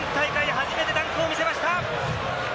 初めてダンクを見せました！